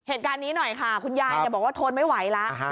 เหตุการณ์นี้หน่อยค่ะคุณยายบอกว่าทนไม่ไหวแล้ว